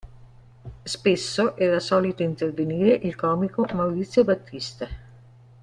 Spesso era solito intervenire il comico Maurizio Battista.